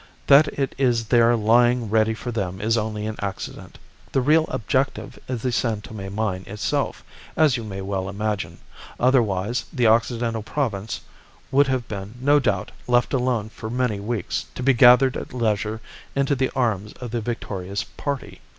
That it is there lying ready for them is only an accident. The real objective is the San Tome mine itself, as you may well imagine; otherwise the Occidental Province would have been, no doubt, left alone for many weeks, to be gathered at leisure into the arms of the victorious party.